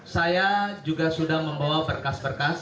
saya juga sudah membawa berkas berkas